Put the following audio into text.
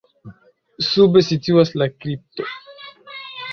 Sube situas la kripto.